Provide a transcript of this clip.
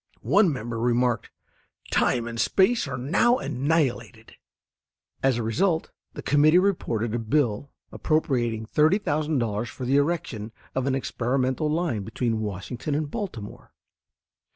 One member remarked, "Time and space are now annihilated." As a result the committee reported a bill appropriating $30,000 for the erection of an experimental line between Washington and Baltimore.